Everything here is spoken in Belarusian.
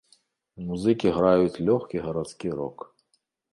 Музыкі граюць лёгкі гарадскі рок.